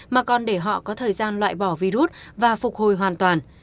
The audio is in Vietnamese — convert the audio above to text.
mà còn để họ có thời gian loại bỏ virus và phục hồi hoàn toàn